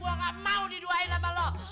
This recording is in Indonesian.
gue gak mau diduain sama lo